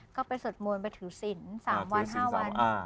ก็ไปสวดมนต์ไปถือศิลป์๓วัน๕วัน